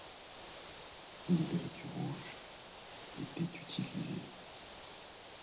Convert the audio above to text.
Les briques rouges étaient utilisées.